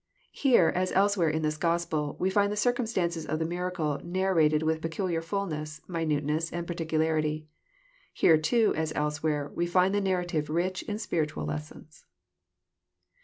Here, as elsewhere in this Gospel, we find the circumstances of the miracle narrated with peculiar fulness, minuteness, and particularity. Here too, as elsewhere, we find the narrative rich in spiritual lessons.